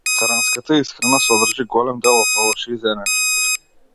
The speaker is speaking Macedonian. Медитеранската исхрана содржи голем дел од овошје и зеленчук.